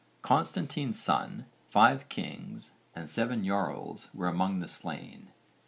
Constantine's son, five kings and seven jarls were among the slain.